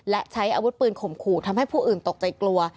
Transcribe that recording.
และใช้อาวุธปืนข่มขู่ทำให้ผู้อื่นตกใจกลัว